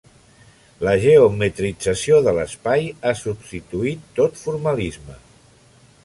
La geometrització de l'espai ha substituït tot formalisme.